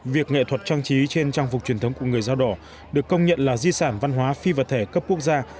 việc nghệ thuật trang trí trên trang phục truyền thống của người dao đỏ được công nhận là di sản văn hóa phi vật thể cấp quốc gia